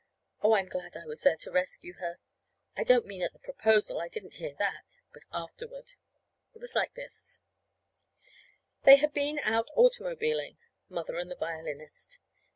Oh, I'm so glad I was there to rescue her! I don't mean at the proposal I didn't hear that. But afterward. It was like this. They had been out automobiling Mother and the violinist.